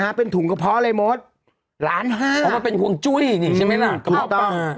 นะครับเป็นถุงกระเพาะอะไรโหมดล้าน๕เหมือนว่าเป็นหวงจุ้ยใช่ไหมล่ะ